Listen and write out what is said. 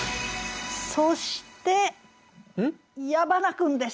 そして矢花君です！